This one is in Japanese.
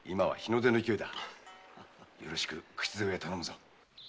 よろしく口添えを頼むぞ。